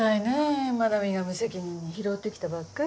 真奈美が無責任に拾ってきたばっかりに。